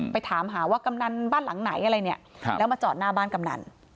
ถามหาว่ากำนันบ้านหลังไหนอะไรเนี่ยแล้วมาจอดหน้าบ้านกำนัน